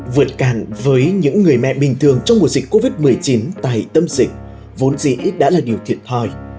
vượt cạn với những người mẹ bình thường trong mùa dịch covid một mươi chín tại tâm dịch vốn dĩ đã là điều thiệt thòi